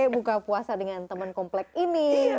buka puasa dengan teman komplek ini